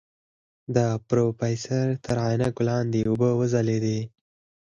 د پروفيسر تر عينکو لاندې اوبه وځلېدې.